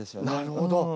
なるほど。